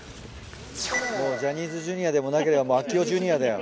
・もうジャニーズＪｒ．でもなければ明雄Ｊｒ．だよ。